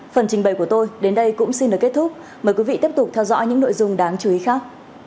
phần trình bày của tôi đến đây cũng xin được kết thúc mời quý vị tiếp tục theo dõi những nội dung đáng chú ý khác